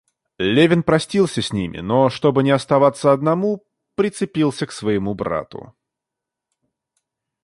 Левин простился с ними, но, чтобы не оставаться одному, прицепился к своему брату.